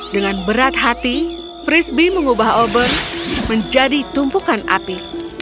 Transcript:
dengan berat hati frisbee mengubah obor menjadi tumpukan api